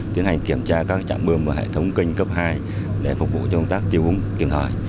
tiến hành kiểm tra các trạm bơm và hệ thống kênh cấp hai để phục vụ cho công tác tiêu úng kiểm thời